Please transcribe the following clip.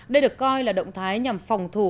đây được coi là động thái nhằm phòng thủ